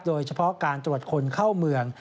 โดยเฉพาะการตรวจคนเข้าเมือง